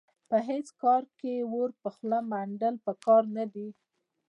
په هېڅ کار کې اور په خوله منډل په کار نه دي.